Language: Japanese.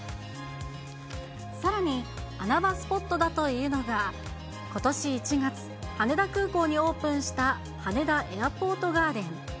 さらに、穴場スポットだというのが、ことし１月、羽田空港にオープンした羽田エアポートガーデン。